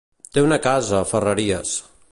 Té una casa a Ferreries.